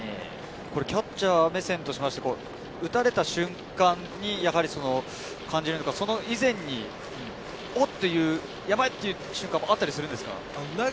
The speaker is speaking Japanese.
キャッチャー目線で打たれた瞬間に感じるのか、それ以前に「おっ、やばい」という瞬間があったりするんですか？